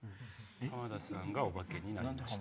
浜田さんがオバケになりました。